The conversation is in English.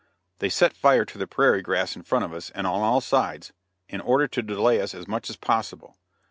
They set fire to the prairie grass in front of us, and on all sides, in order to delay us as much as possible.